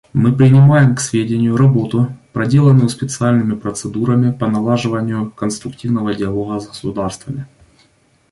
Мы принимаем к сведению работу, проделанную специальными процедурами по налаживанию конструктивного диалога с государствами.